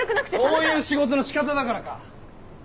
そういう仕事の仕方だからか。